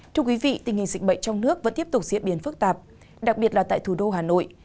thưa quý vị tình hình dịch bệnh trong nước vẫn tiếp tục diễn biến phức tạp đặc biệt là tại thủ đô hà nội